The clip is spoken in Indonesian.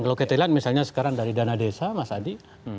kalau kita lihat misalnya sekarang dari dana desa mas adi